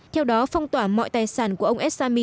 theo đó phong tỏa mọi tài sản của ông al assami